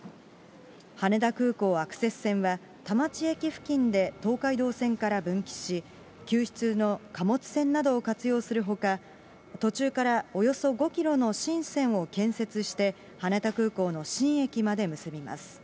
羽田空港アクセス線は田町駅付近で東海道線から分岐し、休止中の貨物線などを活用するほか、途中からおよそ５キロの新線を建設して、羽田空港の新駅まで結びます。